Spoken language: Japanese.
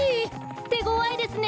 てごわいですね！